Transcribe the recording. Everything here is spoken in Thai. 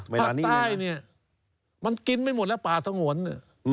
ปลักต้ายเนี่ยมันกินไม่หมดแล้วป่าทะโกรณนี่